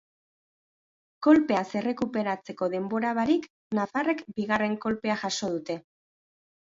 Kolpeaz errekuperatzeko denbora barik, nafarrek bigarren kolpea jaso dute.